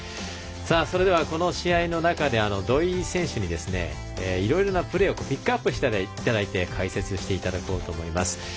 それでは、この試合の中で土居選手にいろいろなプレーをピックアップしていただいて解説していただこうと思います。